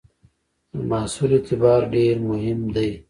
د محصول اعتبار ډېر مهم دی.